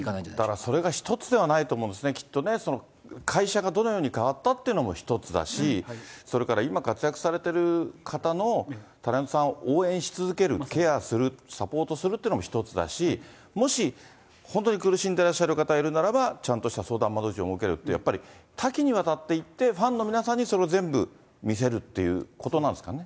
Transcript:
だからそれが一つではないと思うんですね、きっとね、会社がどのように変わったというのも１つだし、それから今活躍されてる方のタレントさんを応援し続ける、ケアする、サポートするっていうのも１つだし、もし本当に苦しんでいらっしゃる方々がいるなら、ちゃんとした相談窓口を設けるって、やっぱり多岐にわたっていってファンの皆さんに全部見せるっていうことなんですかね。